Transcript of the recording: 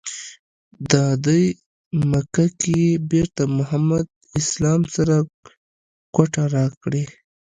دادی مکه کې یې بېرته محمد اسلام سره کوټه راکړې.